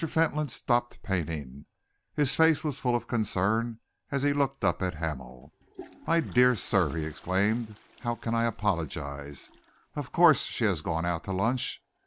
Fentolin stopped painting. His face was full of concern as he looked up at Hamel. "My dear sir," he exclaimed, "how can I apologise! Of course she has gone out to lunch.